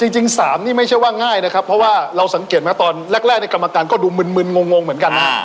จริง๓นี่ไม่ใช่ว่าง่ายนะครับเพราะว่าเราสังเกตไหมตอนแรกในกรรมการก็ดูมึนงงเหมือนกันนะ